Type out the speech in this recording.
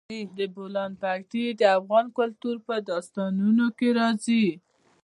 د بولان پټي د افغان کلتور په داستانونو کې راځي.